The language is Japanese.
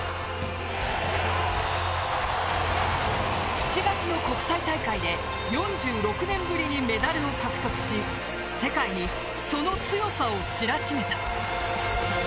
７月の国際大会で４６年ぶりにメダルを獲得し世界に、その強さを知らしめた。